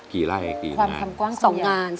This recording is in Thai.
กี่ไรกี่งาน